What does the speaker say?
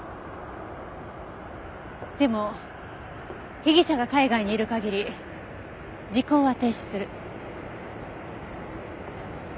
でも被疑者が海外にいる限り時効は停止する。